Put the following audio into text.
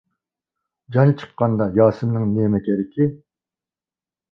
جان چىققاندا ياسىننىڭ نېمە كېرىكى.